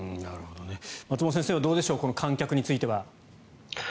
松本先生はどうでしょうこの観客については。